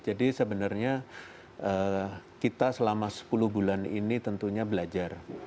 jadi sebenarnya kita selama sepuluh bulan ini tentunya belajar